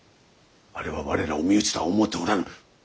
あれは我らを身内とは思うておらぬ。